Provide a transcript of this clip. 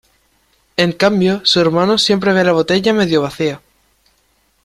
En cambio, su hermano siempre ve la botella medio vacía